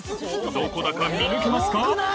どこだか見抜けますか？